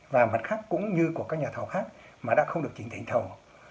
và mặt khác cũng như của các nhà thầu khác mà đã không được chỉ định thầu